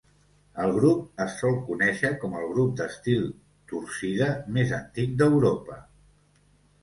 El grup es sol conèixer com el grup d"estil torcida més antic d"Europa.